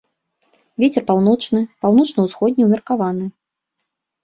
Вецер паўночны, паўночна-ўсходні ўмеркаваны.